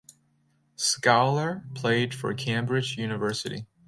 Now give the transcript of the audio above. Scoular played for Cambridge University.